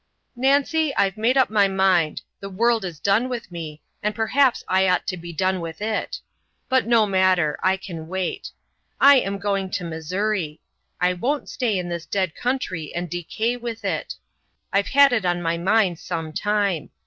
"Nancy, I've made up my mind. The world is done with me, and perhaps I ought to be done with it. But no matter I can wait. I am going to Missouri. I won't stay in this dead country and decay with it. I've had it on my mind sometime.